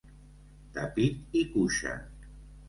De pit i cuixa.